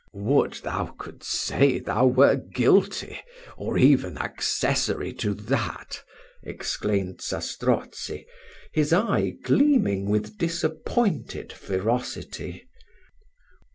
"Would thou could say thou were guilty, or even accessary to that," exclaimed Zastrozzi, his eye gleaming with disappointed ferocity.